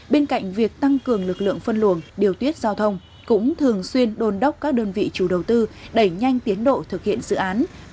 bên cạnh việc tăng cường lực lượng phân luồng điều tiết giao thông cũng thường xuyên đôn đốc các đơn vị chủ đầu tư đẩy nhanh tiến độ thực hiện dự án